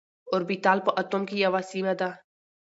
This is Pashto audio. اوربيتال په اتوم کي يوه سيمه ده.